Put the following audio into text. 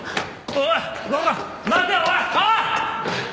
おい！